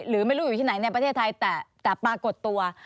หรือไม่รู้อยู่ที่ไหนในประเทศไทยแต่ปรากฏตัว